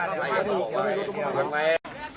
ลองลองครับโอ้ย